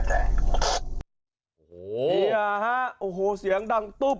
โอ้โฮเสียงดังตุบ